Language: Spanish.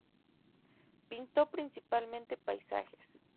Pintó principalmente paisajes.